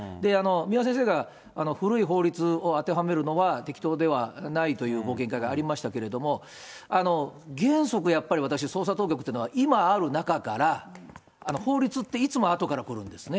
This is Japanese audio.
三輪先生が古い法律を当てはめるのは適当ではないというご見解がありましたけれども、原則やっぱり私、捜査当局というのは、今ある中から、法律っていつもあとからくるんですね。